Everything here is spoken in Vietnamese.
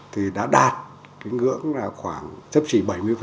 thì đã đạt cái ngưỡng là khoảng sắp xỉ bảy mươi